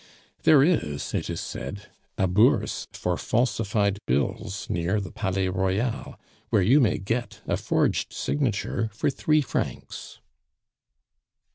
There is, it is said, a Bourse for falsified bills near the Palais Royal, where you may get a forged signature for three francs.